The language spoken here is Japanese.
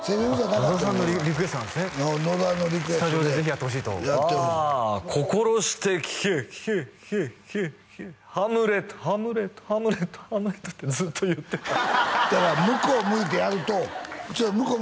野田さんのリクエストなんですね野田のリクエストでスタジオでぜひやってほしいとああ心して聞け聞け聞け聞け聞けハムレットハムレットハムレットハムレットってずっと言ってただから向こう向いてやるとちょっと向こう